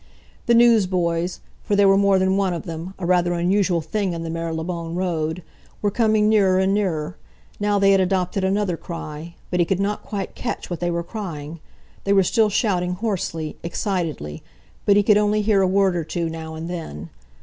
The newsboys—for there were more than one of them, a rather unusual thing in the Marylebone Road—were coming nearer and nearer; now they had adopted another cry, but he could not quite catch what they were crying. They were still shouting hoarsely, excitedly, but he could only hear a word or two now and then.